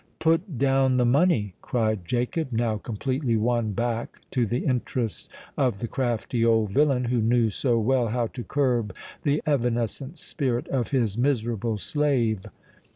"Put down the money!" cried Jacob, now completely won back to the interests of the crafty old villain who knew so well how to curb the evanescent spirit of his miserable slave.